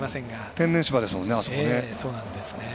天然芝ですもんね、あそこ。